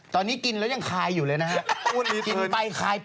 ตอนนี้กินแล้วยังคายอยู่เลยนะครับ